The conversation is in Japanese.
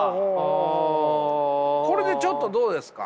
これでちょっとどうですか？